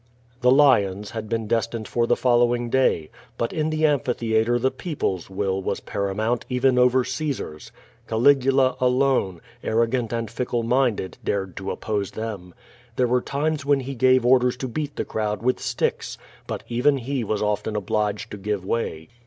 The lions had been destined for the following day. But in the amphitheatre the people's will was paramount even over Caesar's. Caligula alone, arrogant and fickle minded, dared to oppose them. There were times when he gave orders to beat the crowd with sticks, but even he was often obliged to give way.